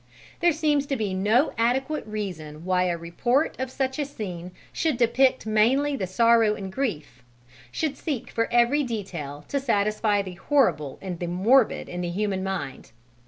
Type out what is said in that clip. There seems to be no adequate reason why a report of such a scene should depict mainly the sorrow and grief, should seek for every detail to satisfy the horrible and the morbid in the human mind.